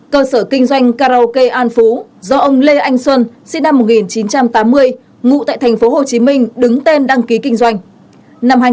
cơ sở kinh doanh karaoke an phú do ông lê anh xuân sinh năm một nghìn chín trăm tám mươi ngụ tại tp hcm đứng tên đăng ký kinh doanh